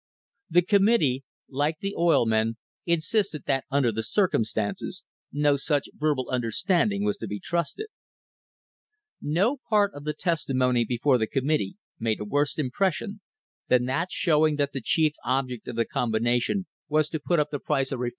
The committee, like the oil men, insisted that under the circumstances no such verbal understanding was to be trusted.* No part of the testimony before the committee made a worse impression than that showing that the chief object of the combination was to put up the price of refined oil to * See Appendix, Number 10.